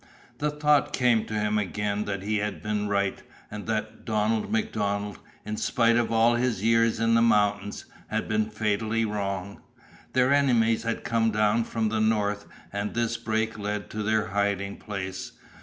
The thought came to him again that he had been right, and that Donald MacDonald, in spite of all his years in the mountains, had been fatally wrong. Their enemies had come down from the north, and this break led to their hiding place.